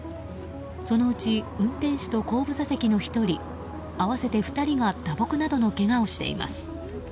そのうち運転手と後部座席の１人合わせて２人が打撲などのけがをしています。